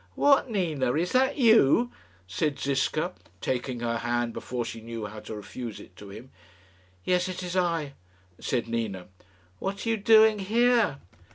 "What, Nina! is that you?" said Ziska, taking her hand before she knew how to refuse it to him. "Yes; it is I," said Nina. "What are you doing here?"